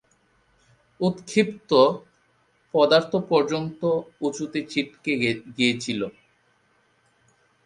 উৎক্ষিপ্ত পদার্থ পর্যন্ত উঁচুতে ছিটকে গিয়েছিল।